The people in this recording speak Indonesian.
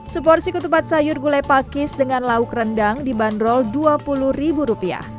seporsi ketupat sayur gulai pakis dengan lauk rendang dibanderol dua puluh ribu rupiah